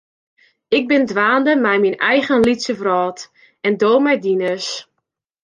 Ik bin dwaande mei myn eigen lytse wrâld en do mei dines.